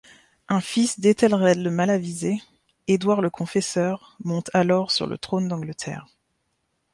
Un fils d'Æthelred le Malavisé, Édouard le Confesseur, monte alors sur le trône d'Angleterre.